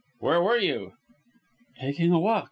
Where were you?" "Taking a walk.